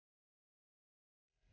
kenapa bahasa enam